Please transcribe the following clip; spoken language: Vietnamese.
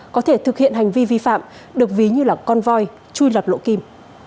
có thể thực hiện hành vi vi phạm được ví như là con voi chui lập lỗ kim